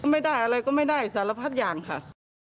ไม่ได้อะไรก็ไม่ได้สารพัดอย่างค่ะ